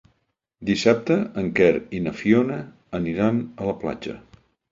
Dissabte en Quer i na Fiona aniran a la platja.